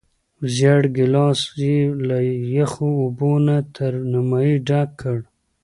زېړ ګیلاس یې له یخو اوبو نه تر نیمايي ډک کړ.